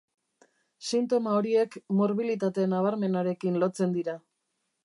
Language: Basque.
Sintoma horiek morbilitate nabarmenarekin lotzen dira.